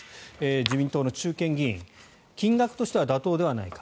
自民党の中堅議員金額としては妥当ではないか。